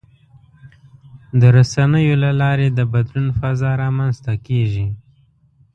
د رسنیو له لارې د بدلون فضا رامنځته کېږي.